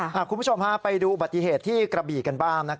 คุณผู้ชมพาไปดูอุบัติเหตุที่กระบี่กันบ้าง